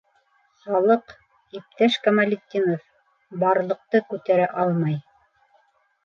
Халыҡ, иптәш Камалетдинов, барлыҡты күтәрә алмай.